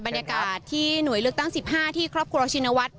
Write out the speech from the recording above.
บรรยากาศที่หน่วยเลือกตั้ง๑๕ที่ครอบครัวชินวัฒน